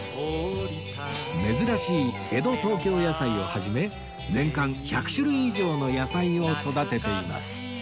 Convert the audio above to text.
珍しい江戸東京野菜を始め年間１００種類以上の野菜を育てています